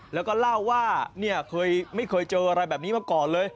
แล้วก็เล่าว่าไม่เคยเจออะไรแบบนี้มาก่อนเลย